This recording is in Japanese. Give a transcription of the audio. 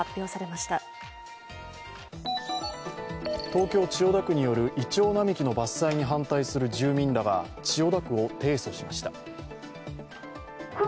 東京・千代田区によるいちょう並木の伐採に反対する住民らが千代田区を提訴しました。